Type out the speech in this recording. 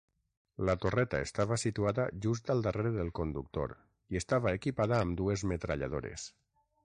La torreta estava situada just al darrere del conductor i estava equipada amb dues metralladores.